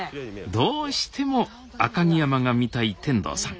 どうしても赤城山が見たい天童さん。